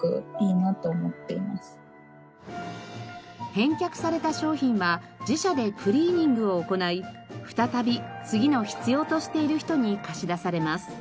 返却された商品は自社でクリーニングを行い再び次の必要としている人に貸し出されます。